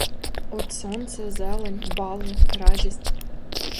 От сонце, зелень, бали, радість.